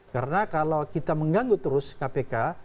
karena kalau kita mengganggu terus kpk